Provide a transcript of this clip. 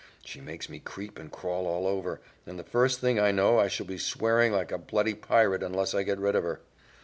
She makes me creep and crawl all over, and the first thing I know I shall be swearing like a bloody pirate unless I get rid of her.